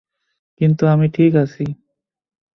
কিন্তু আমি ঠিক আছি।